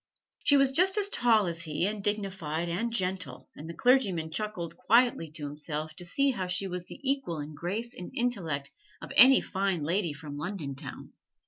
She was just as tall as he, and dignified and gentle: and the clergyman chuckled quietly to himself to see how she was the equal in grace and intellect of any Fine Lady from London town.